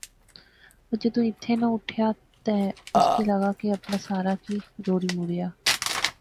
او جدوں ایتھِیں ناں اٹھیا تہ اس کی لغا کہ اپنا سارا کی روڑی مڑیا